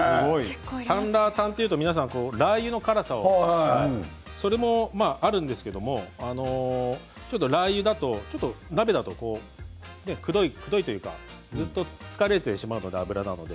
サンラータンというとラーユの辛さもあるんですけどラーユだと鍋だとくどいというか疲れてしまうのでね、油なので。